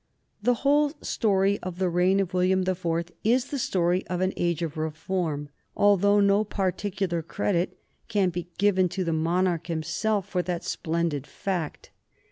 The whole story of the reign of William the Fourth is the story of an age of reform, although no particular credit can be given to the monarch himself for that splendid fact.